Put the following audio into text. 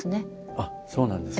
あっそうなんですか。